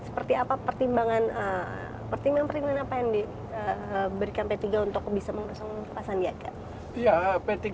seperti apa pertimbangan pertimbangan apa yang diberikan p tiga untuk bisa mengusung pak sandiaga